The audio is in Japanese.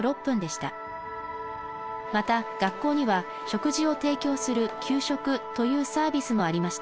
また学校には食事を提供する給食というサービスもありました。